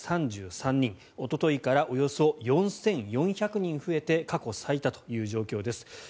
おとといからおよそ４４００人増えて過去最多という状況です。